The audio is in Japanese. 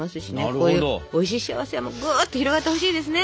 こういうおいしい幸せはぐっと広がってほしいですね。